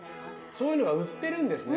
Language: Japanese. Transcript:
そういうのが売ってるんですね。